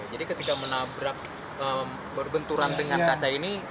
jadi ketika menabrak berbenturan dengan kaca ini